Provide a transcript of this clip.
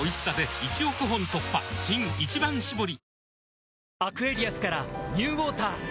新「一番搾り」